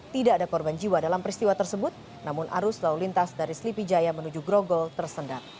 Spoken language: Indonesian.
tidak ada korban jiwa dalam peristiwa tersebut namun arus lalu lintas dari selipi jaya menuju grogol tersendat